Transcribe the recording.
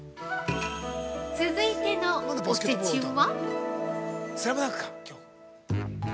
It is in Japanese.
◆続いてのおせちは。